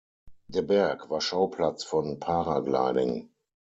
Der Berg war Schauplatz von Paragliding.